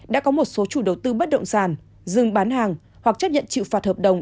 đã có một số chủ đầu tư bất động sản dừng bán hàng hoặc chấp nhận chịu phạt hợp đồng